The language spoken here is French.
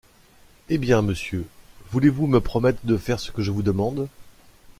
Eh! bien, monsieur, voulez-vous me promettre de faire ce que je vous demande?...